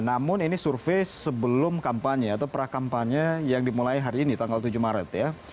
namun ini survei sebelum kampanye atau prakampanye yang dimulai hari ini tanggal tujuh maret ya